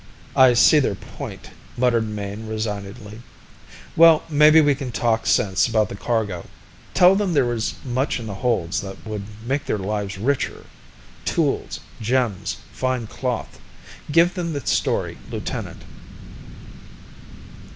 "I see their point," muttered Mayne resignedly. "Well, maybe we can talk sense about the cargo. Tell them that there is much in the holds that would make their lives richer. Tools, gems, fine cloth give them the story, lieutenant."